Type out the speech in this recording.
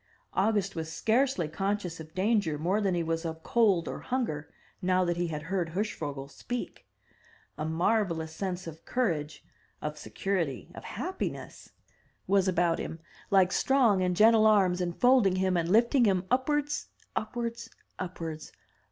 August was scarcely conscious of danger more than he was of cold or hunger, now that he had heard Hirschvogel speak. A marvelous sense of courage, of security, of happiness, was about 305 MY BOOK HOUSE him, like strong and gentle arms enfolding him and lifting him upwards — ^upwards — ^upwards!